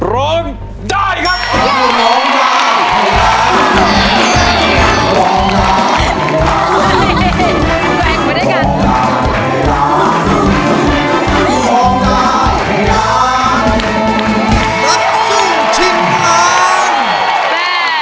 ร้องได้ครับ